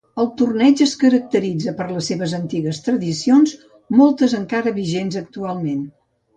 El torneig es caracteritza per les seves antigues tradicions, moltes encara vigents actualment.